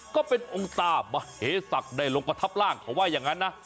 ก็เป็นองศาบเหตุศักดิ์ได้ลงกับทัพล่างเขาว่ายังงั้นนะ